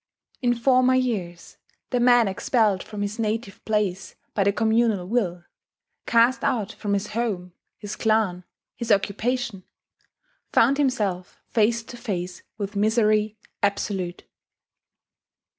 In former years the man expelled from his native place by the communal will cast out from his home, his clan, his occupation found himself face to face with misery absolute.